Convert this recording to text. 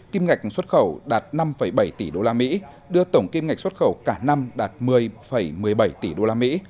kim ngạch xuất khẩu đạt năm bảy tỷ đô la mỹ đưa tổng kim ngạch xuất khẩu cả năm đạt một mươi một mươi bảy tỷ đô la mỹ